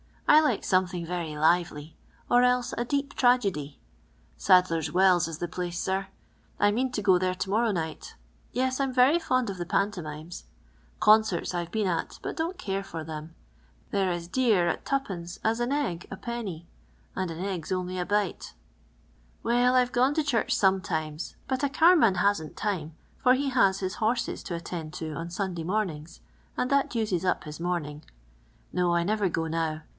I like something very lively, or else a deep tragedy. Sadler's Wells is the place, sir. I m^n to go there t') jnorrow night. Yes, I'm very fond «f the paHtoraimes. Concerts I've been at, but don't care for them. They 're as dear at 2d. as an egg a penny, and an egg 's only a bile. " Well, I 've gone' to church sometimes, but a carman hasn't time, for he has his horses to attend to on Sunday mornings, and that uses sip his morn ing. No, I never go now.